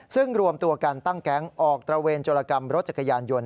ซึ่งรวมตัวกันตั้งแก๊งออกตระเวนโจรกรรมรถจักรยานยนต์